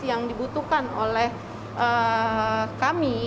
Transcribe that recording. yang dibutuhkan oleh kami